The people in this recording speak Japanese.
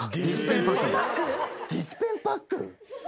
ディスペンパックだ。